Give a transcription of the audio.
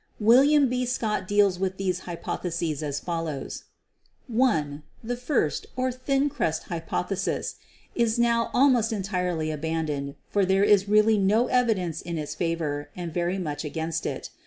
William B. Scott deals with these hypotheses as follows: "(1) The first, or "thin crust" hypothesis, is now almost entirely abandoned, for there is really no evidence in its favor and very much against it.